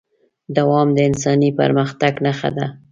دوام د انساني پرمختګ نښه ده.